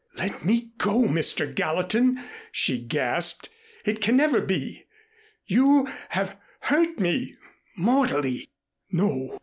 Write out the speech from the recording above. "Let me go, Mr. Gallatin," she gasped. "It can never be. You have hurt me mortally." "No.